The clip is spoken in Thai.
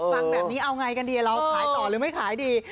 ฟังแบบนี้เอาไงกันดีเราขายต่อหรือไม่ขายดี